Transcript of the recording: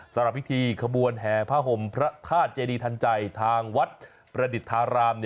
สำหรับพิธีขบวนแห่ผ้าห่มพระธาตุเจดีทันใจทางวัดประดิษฐาราม